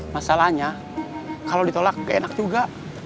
masalahnya kalau ditolak gak enak juga